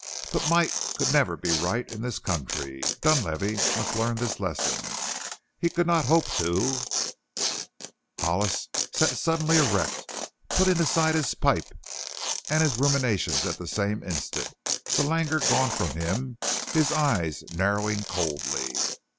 But might could never be right in this country. Dunlavey must learn this lesson; he could not hope to ! Hollis sat suddenly erect, putting aside his pipe and his ruminations at the same instant, the languor gone from him, his eyes narrowing coldly.